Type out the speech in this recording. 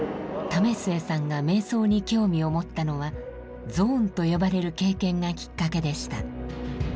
為末さんが瞑想に興味を持ったのは「ゾーン」と呼ばれる経験がきっかけでした。